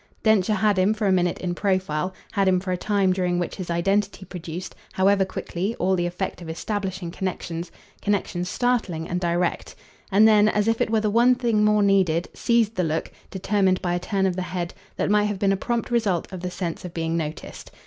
Densher had him for a minute in profile, had him for a time during which his identity produced, however quickly, all the effect of establishing connexions connexions startling and direct; and then, as if it were the one thing more needed, seized the look, determined by a turn of the head, that might have been a prompt result of the sense of being noticed.